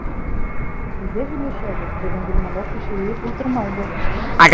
Әйҙә һөйләшәбеҙ: беҙҙең бүлмәлә кеше йыйып ултырмайбыҙ!